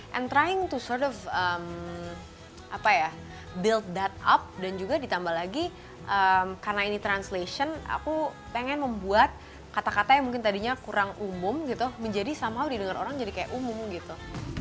dan mencoba untuk membangun itu dan juga ditambah lagi karena ini translation aku pengen membuat kata kata yang mungkin tadinya kurang umum gitu menjadi sama didengar orang jadi kayak umum gitu